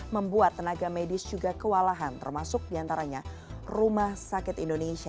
membuat tenaga medis juga kewalahan termasuk diantaranya rumah sakit indonesia